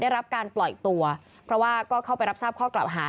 ได้รับการปล่อยตัวเพราะว่าก็เข้าไปรับทราบข้อกล่าวหา